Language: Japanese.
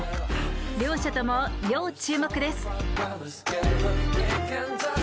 両者とも要注目です。